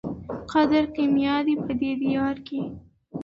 قدر کېمیا دی په دې دیار کي